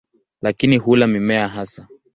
Lakini hula mimea hasa.